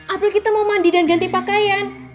april kita mau mandi dan ganti pakaian